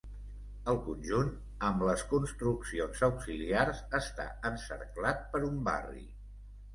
El conjunt, amb les construccions auxiliars, està encerclat per un barri.